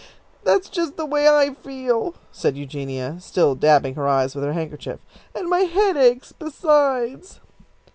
"That's just the way I feel," said Eugenia, still dabbing her eyes with her handkerchief, "and my head aches, besides."